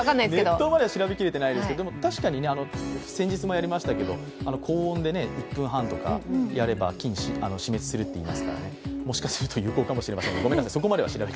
熱湯までは調べ切れていないですけどでも確かに、先日もやりましたけど高音でやれば死滅するって言いますからもしかすると有効かもしれません。